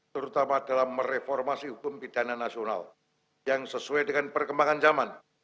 terutama dalam mereformasi hukum pidana nasional yang sesuai dengan perkembangan zaman